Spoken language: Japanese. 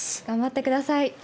頑張ってください。